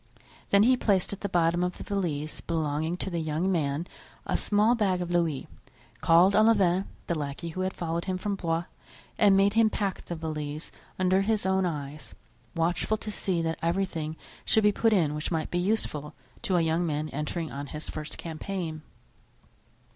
Then he placed at the bottom of the valise belonging to the young man a small bag of louis, called Olivain, the lackey who had followed him from Blois, and made him pack the valise under his own eyes, watchful to see that everything should be put in which might be useful to a young man entering on his first campaign.